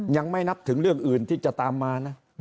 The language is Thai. ยังไม่นับถึงเรื่องอื่นที่จะตามมานะ